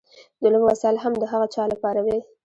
د لوبو وسایل هم د هغه چا لپاره وي.